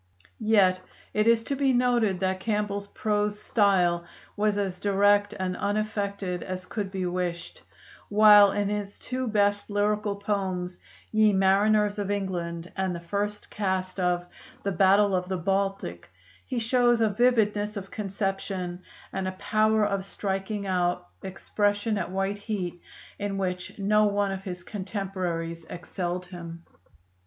Yet it is to be noted that Campbell's prose style was as direct and unaffected as could be wished, while in his two best lyrical poems, 'Ye Mariners of England,' and the first cast of 'The Battle of the Baltic,' he shows a vividness of conception and a power of striking out expression at white heat in which no one of his contemporaries excelled him.